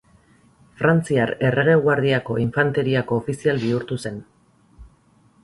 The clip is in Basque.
Frantziar errege guardiako infanteriako ofizial bihurtu zen.